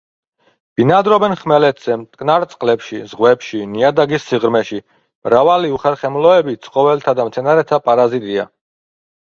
ბინადრობენ ხმელეთზე, მტკნარ წყლებში, ზღვებში, ნიადაგის სიღრმეში, მრავალი უხერხემლოები ცხოველთა და მცენარეთა პარაზიტია.